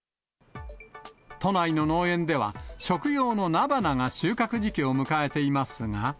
都内の農園では、食用の菜花が収穫時期を迎えていますが。